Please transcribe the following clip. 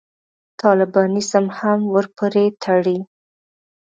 طالبانیزم هم ورپورې تړي.